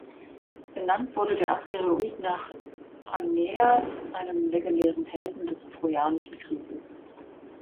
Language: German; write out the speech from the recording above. Benannt wurde der Asteroid nach Aeneas, einem legendären Helden des trojanischen Krieges.